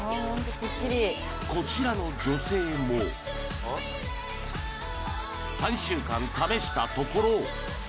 こちらの女性も３週間試したところ